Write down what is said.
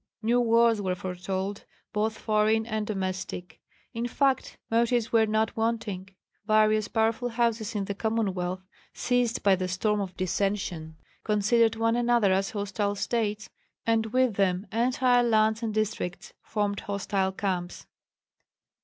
New wars were foretold, both foreign and domestic. In fact, motives were not wanting. Various powerful houses in the Commonwealth, seized by the storm of dissension, considered one another as hostile States, and with them entire lands and districts formed hostile camps.